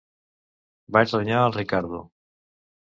Vaig renyar el Riccardo.